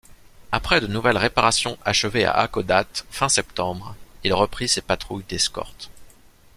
Après de nouvelles réparations achevées à Hakodate fin septembre, il reprit ses patrouilles d'escorte.